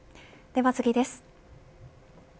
では次です。